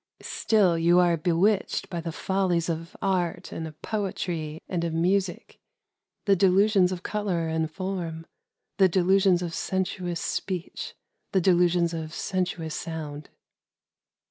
"Still you are bewitched by the follies of art and of poetry and of music, — the delu sions of color and form, — the delusions of sensuous speech, the delusions of sensuous sound.